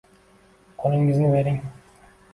Qo’lingizni bering –